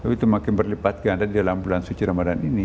itu makin berlipat ganda dalam bulan suci ramadhan ini